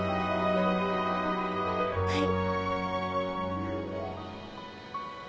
はい。